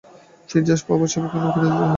Pizza পপা সবখানেই কিনে খেতে হয়।